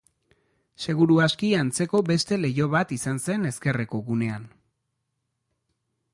Seguru aski antzeko beste leiho bat izan zen ezkerreko gunean.